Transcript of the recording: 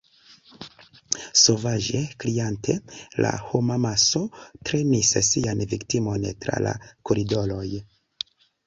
Sovaĝe kriante, la homamaso trenis sian viktimon tra la koridoroj.